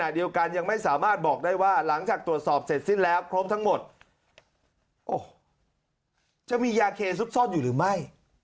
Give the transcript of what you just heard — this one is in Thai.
ด้วยกันยังไม่สามารถบอกได้ว่าหลังจากตรวจสอบเสร็จแล้วเป็นที่มียาเคซูพซ่อนอยู่หรือไม่